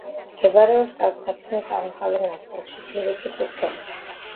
მდებარეობს კავკასიონის აღმოსავლეთ ნაწილში, პირიქითის ქედზე.